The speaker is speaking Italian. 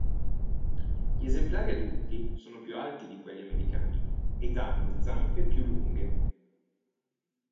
Gli esemplari adulti sono più alti di quelli americani ed hanno zampe più lunghe.